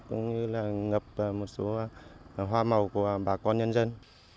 cũng như là ngập một số hoa màu của bà con nhân dân